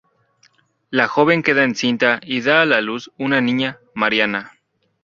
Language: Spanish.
La joven queda encinta y da a luz una niña, Mariana.